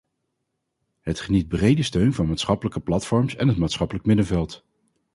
Het geniet brede steun van maatschappelijke platforms en het maatschappelijk middenveld.